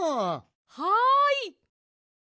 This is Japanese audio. はい！